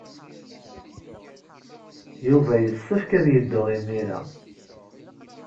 Yuba yessefk ad yeddu imir-a.